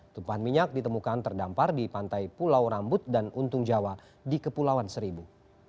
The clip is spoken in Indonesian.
tumpahan minyak ditemukan terdampar di pantai pulau rambut dan untung jawa di kepulauan seribu